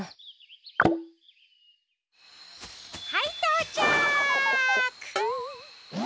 はいとうちゃく！